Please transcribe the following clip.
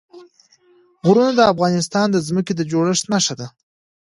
غرونه د افغانستان د ځمکې د جوړښت نښه ده.